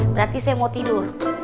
berarti saya mau tidur